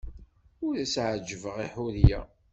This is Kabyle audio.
Ur as-ɛejjbeɣ i Ḥuriya.